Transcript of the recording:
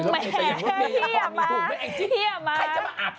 เหี้ยงมา